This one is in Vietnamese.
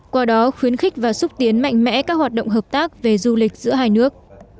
qua đó khuyến khích và xúc tiến mạnh mẽ các hoạt động hợp tác về du lịch giữa hai nước